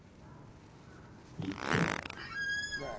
行ってよ。